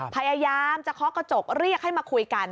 พยายามจะเคาะกระจกเรียกให้มาคุยกัน